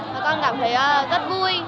và con cảm thấy rất vui